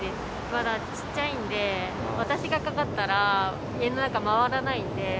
まだ小っちゃいんで、私がかかったら、家の中回らないんで。